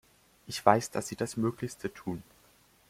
Ich weiß, dass Sie das Möglichste tun.